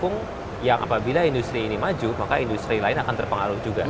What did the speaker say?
untuk yang apabila industri ini maju maka industri lain akan terpengaruh juga